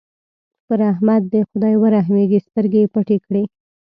پر احمد دې خدای ورحمېږي؛ سترګې يې پټې کړې.